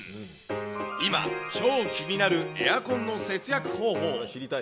今、超気になるエアコンの節約方法。